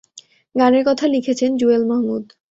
গানের কথা লিখেছেন "জুয়েল মাহমুদ"।